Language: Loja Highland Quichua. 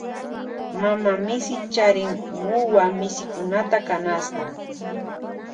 Mama misi charin wuwa misikunata canasta.